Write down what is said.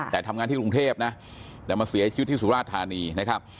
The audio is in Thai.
แต่ทำงานที่กรุงเทพนะแต่มาเสียชีวิตที่สุราชธานีนะครับ